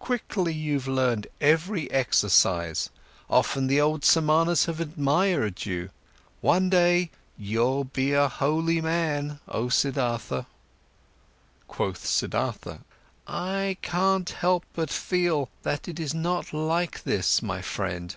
Quickly, you've learned every exercise, often the old Samanas have admired you. One day, you'll be a holy man, oh Siddhartha." Quoth Siddhartha: "I can't help but feel that it is not like this, my friend.